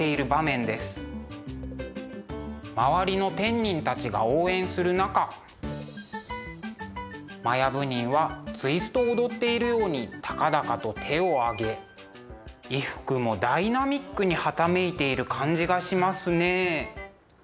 周りの天人たちが応援する中摩耶夫人はツイストを踊っているように高々と手を上げ衣服もダイナミックにはためいている感じがしますね。